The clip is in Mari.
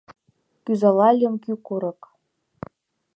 Кӱзалальым — кӱ курык